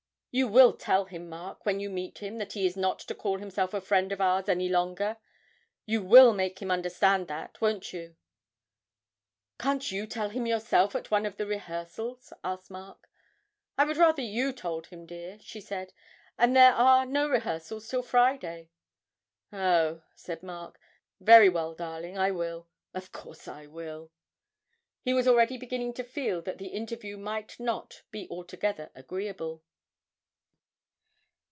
You will tell him, Mark, when you meet him that he must not call himself a friend of ours any longer. You will make him understand that, won't you?' 'Can't you tell him yourself at one of the rehearsals?' asked Mark. 'I would rather you told him, dear,' she said, 'and there are no rehearsals till Friday.' 'Oh,' said Mark, 'very well, darling, I will of course I will!' He was already beginning to feel that the interview might not be altogether agreeable.